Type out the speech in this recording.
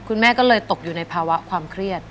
คุณแม่ก็เลยตกอยู่ในภาวะความเครียด